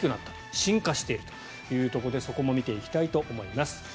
進化しているということでそこも見ていきたいと思います。